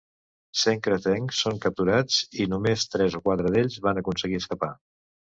Cent cretencs són capturats i només tres o quatre d'ells van aconseguir escapar.